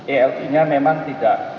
elt nya memang tidak